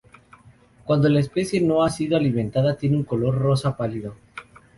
Cuándo la especie no ha sido alimentada tiene un color rosa pálido.